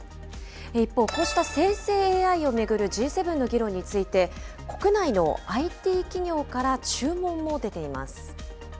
一方、こうした生成ＡＩを巡るＧ７の議論について、国内のＩＴ企業から注文も出ています。